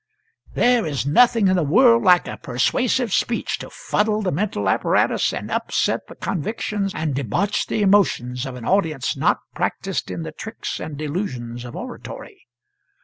There is nothing in the world like a persuasive speech to fuddle the mental apparatus and upset the convictions and debauch the emotions of an audience not practised in the tricks and delusions of oratory.